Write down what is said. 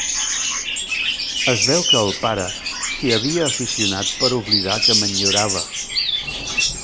Es veu que el pare s'hi havia aficionat per oblidar que m'enyorava.